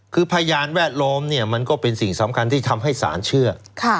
คือพยานแวดล้อมเนี่ยมันก็เป็นสิ่งสำคัญที่ทำให้ศาลเชื่อ